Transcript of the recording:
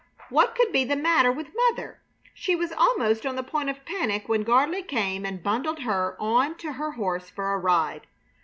What could be the matter with mother? She was almost on the point of panic when Gardley came and bundled her on to her horse for a ride.